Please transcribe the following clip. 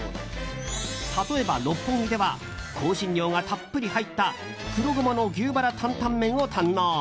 例えば、六本木では香辛料がたっぷり入った黒ごまの牛バラ担々麺を堪能。